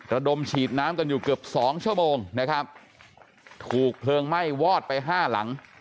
ระดมฉีดน้ำกันอยู่เกือบสองชั่วโมงนะครับถูกเพลิงไหม้วอดไปห้าหลัง